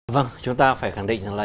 vâng chúng ta phải khẳng định là